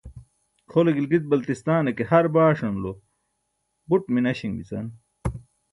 kʰole gilgit-baltistan e ke har baaṣan ulo buṭ minaśin bica